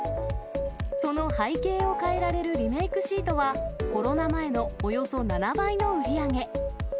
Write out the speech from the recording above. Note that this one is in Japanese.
その背景を変えられるリメークシートは、コロナ前のおよそ７倍の売り上げ。